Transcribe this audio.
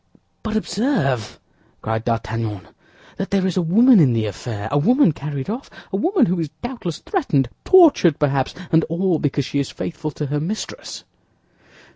"But observe," cried D'Artagnan, "that there is a woman in the affair—a woman carried off, a woman who is doubtless threatened, tortured perhaps, and all because she is faithful to her mistress."